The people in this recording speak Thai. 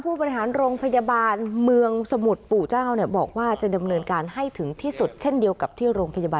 ไปโรงพยาบาลผมเลยที่ไหนก็ตามนะครับ